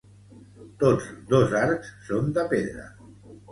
Tots dos arcs són de pedra.